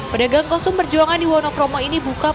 pedagang kostum perjuangan di wonokromo ini buka